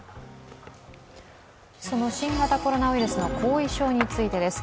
その新型コロナウイルスの後遺症についてです。